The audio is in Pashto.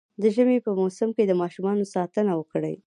د ژمي په موسم کي د ماشومانو ساتنه وکړئ